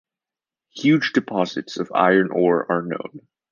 Huge deposits of iron ore are known.